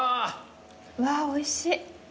うわーおいしい。